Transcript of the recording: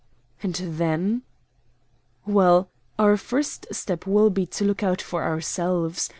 "And then?" "Well, our first step will be to look out for ourselves.